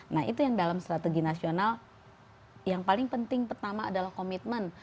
nah itu yang dalam strategi nasional yang paling penting pertama adalah komitmen